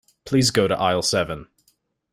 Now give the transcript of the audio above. Please go to aisle seven.